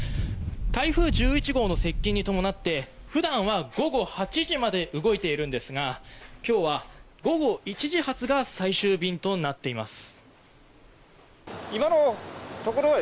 台風１１号の接近に伴って普段は午後８時まで動いているんですが今日は午後１時発が最終便となっています。